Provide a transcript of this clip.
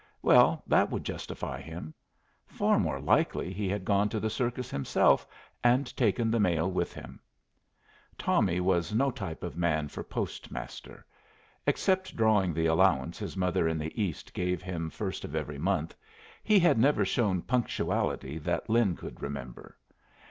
Well, that would justify him. Far more likely he had gone to the circus himself and taken the mail with him. Tommy was no type of man for postmaster. Except drawing the allowance his mother in the East gave him first of every month, he had never shown punctuality that Lin could remember.